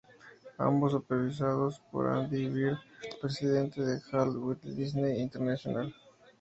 Ambos supervisados por a Andy Bird, presidente de Walt Disney International.